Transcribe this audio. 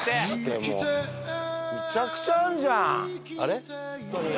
めちゃくちゃあんじゃん！